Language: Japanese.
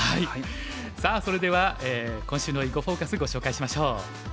さあそれでは今週の「囲碁フォーカス」ご紹介しましょう。